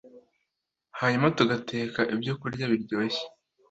hanyuma tugateka ibyokurya biryoshye